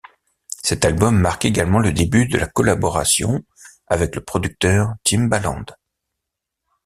Cet album marque également le début de la collaboration avec le producteur Timbaland.